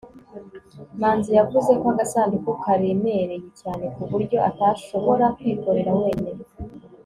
manzi yavuze ko agasanduku karemereye cyane ku buryo atashobora kwikorera wenyine